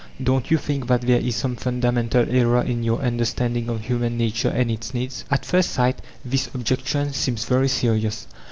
Don't you think that there is some fundamental error in your understanding of human nature and its needs?" At first sight this objection seems very serious.